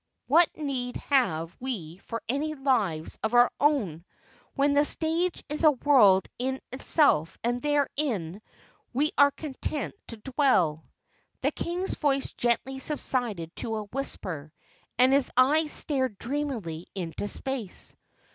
What need have we for any lives of our own, when the stage is a world in itself and therein we are content to dwell." The King's voice gently subsided to a whisper, and his eyes stared dreamily into space.